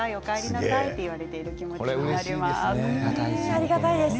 ありがたいです。